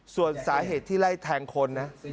ส่วนสาเหตุที่ไล่แทงคนนะ